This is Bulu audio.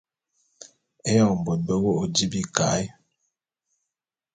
Éyoñ bôt be wô’ô di bika’e.